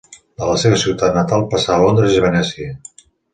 De la seva ciutat natal passà a Londres i Venècia.